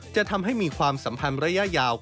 จะทำให้มีความสัมพันธ์ระยะยาว